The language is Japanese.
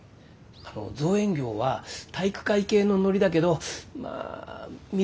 あの造園業は体育会系のノリだけどまあ見るからに。